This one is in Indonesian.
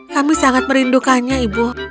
kami sangat merindukannya ibu